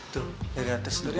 tuh dari atas debunya